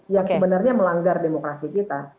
yang sebenarnya melanggar demokrasi kita